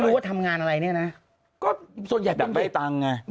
รู้ว่าทำงานอะไรเนี่ยน่ะก็ส่วนใหญ่เป็นเด็กได้ตังค์ไง